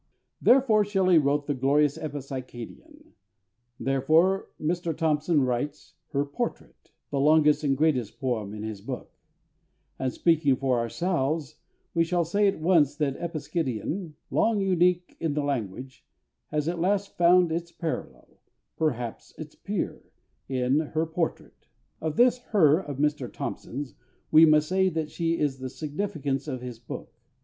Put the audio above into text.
Therefore, SHELLEY wrote the glorious Epipsychidion; therefore, Mr THOMPSON writes Her Portrait, the longest and greatest poem in his book; and, speaking for ourselves, we shall say at once that Epipsychidion, long unique in the language, has at last found its parallel, perhaps its peer, in Her Portrait. Of this "Her" of Mr THOMPSON'S we must say that she is the significance of his book.